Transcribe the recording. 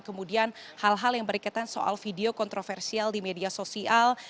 kemudian hal hal yang berkaitan soal video kontroversial di media sosial